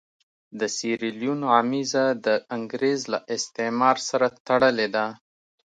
د سیریلیون غمیزه د انګرېز له استعمار سره تړلې ده.